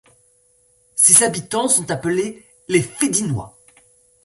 Ses habitants sont appelés les Fédinois.